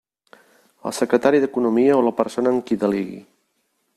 El secretari d'Economia o la persona en qui delegui.